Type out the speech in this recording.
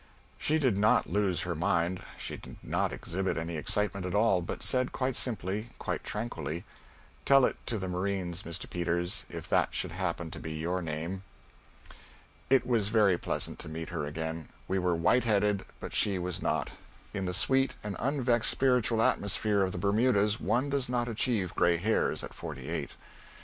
She did not lose her mind; she did not exhibit any excitement at all, but said quite simply, quite tranquilly, "Tell it to the marines, Mr. Peters if that should happen to be your name." It was very pleasant to meet her again. We were white headed, but she was not; in the sweet and unvexed spiritual atmosphere of the Bermudas one does not achieve gray hairs at forty eight.